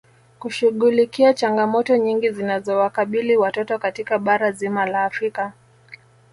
Kushughulikia changamoto nyingi zinazowakabili watoto katika bara zima la Afrika